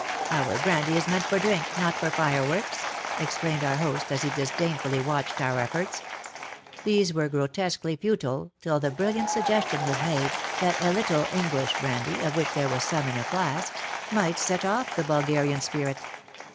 *' Our brandy is meant for drink, not for fireworks," explained our host as he disdain fully watched our efforts. These were grot esquely futile till the brilliant suggestion was made, that a little English brandy — of which there was some in a flask — might set off the 1 88 WAR AND WOMEN Bulgarian spirit.